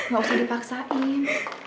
gak usah dipaksain